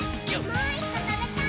もう１こ、たべたい！